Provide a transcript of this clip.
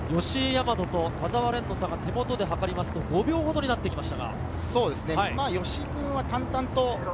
吉居大和と田澤廉の差が手元で計ると５秒ほどになってきました。